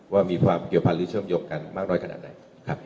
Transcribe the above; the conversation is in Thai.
ว่ามีความเกี่ยวพันธ์หรือเชื่อมโยงกันมากน้อยขนาดไหนครับ